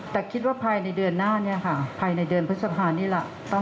แต่คิดว่าภายในเดือนหน้าเนี่ยค่ะภายในเดือนพฤษภานี่แหละ